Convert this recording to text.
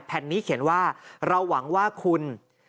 แผ่นนี้เขียนว่าเราหวังว่าคุณ